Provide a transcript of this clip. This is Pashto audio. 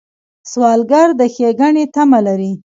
سوالګر د ښېګڼې تمه لري